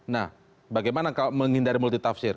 nah bagaimana menghindari multitafsir